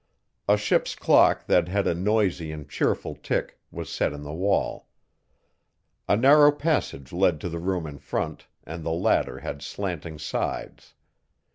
A ship's clock that had a noisy and cheerful tick, was set in the wall. A narrow passage led to the room in front and the latter had slanting sides.